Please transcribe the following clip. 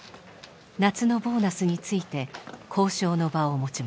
夏のボーナスについて交渉の場を持ちました。